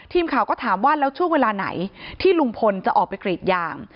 ทีมข่าวก็ถามว่าแล้วช่วงเวลาไหนที่ลุงพลจะออกไปกรีดยาง